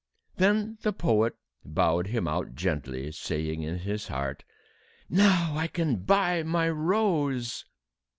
Then the poet bowed him out gently, saying in his heart: "Now I can buy my rose!"